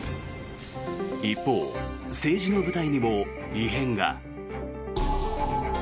一方、政治の舞台にも異変が。